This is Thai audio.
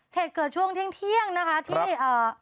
เหตุเกิดช่วงเที่ยงเที่ยงนะคะที่เอ่อ